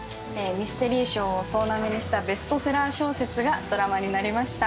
ミステリー賞を総なめにしたベストセラー小説がドラマになりました。